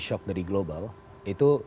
shock dari global itu